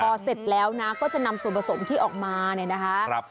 พอเสร็จแล้วนะก็จะนำส่วนผสมที่ออกมาเนี่ยนะคะ